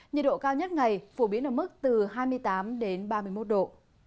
nhiệt độ cao nhất ngày phổ biến ở mức từ hai mươi tám đến ba mươi một độ